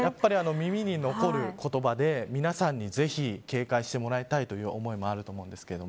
耳に残る言葉で、皆さんに警戒してもらいたいという思いもあると思います。